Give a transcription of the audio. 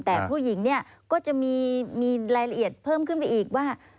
แต่ผู้หญิงเนี่ยก็จะมีรายละเอียดเพิ่มขึ้นไปอีกว่า